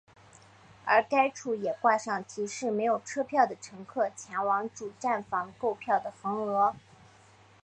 而该处也挂上提示没有车票的乘客前往主站房购票的横额。